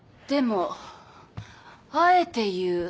でもあえて言う。